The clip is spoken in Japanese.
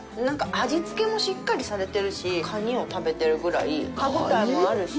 味付けもしっかりされてるしカニを食べてるぐらい歯応えもあるし。